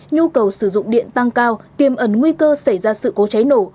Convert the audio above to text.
nhu cầu sử dụng điện tăng cao tiềm ẩn nguy cơ xảy ra sự cố cháy nổ